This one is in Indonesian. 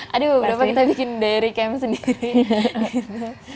aduh berapa kita bikin diary camp sendiri